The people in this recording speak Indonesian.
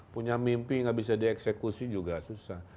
punya mimpi nggak bisa dieksekusi juga susah